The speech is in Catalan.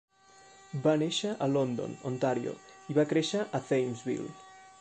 Va néixer a London, Ontario, i va créixer a Thamesville.